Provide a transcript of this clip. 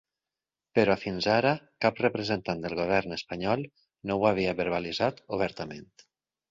Però fins ara cap representant del govern espanyol no ho havia verbalitzat obertament.